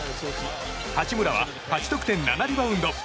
八村は８得点７リバウンド。